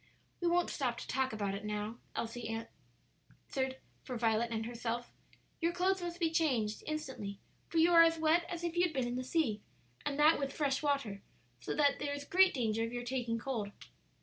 "We won't stop to talk about it now," Elsie said, answering for Violet and herself; "your clothes must be changed instantly, for you are as wet as if you had been in the sea; and that with fresh water, so that there is great danger of your taking cold."